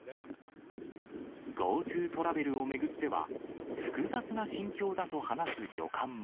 ＧｏＴｏトラベルを巡っては、複雑な心境だと話す旅館も。